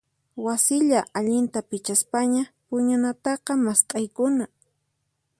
Wasilla allinta pichaspaña puñunataqa mast'aykuna.